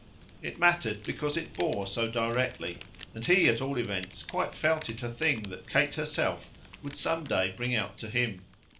It mattered because it bore so directly, and he at all events quite felt it a thing that Kate herself would some day bring out to him.